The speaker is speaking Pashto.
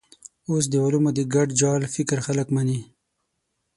اوس د علومو د ګډ جال فکر خلک مني.